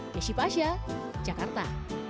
yeship asia jakarta